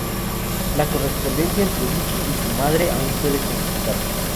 La correspondencia entre "Vicky" y su madre aún puede consultarse.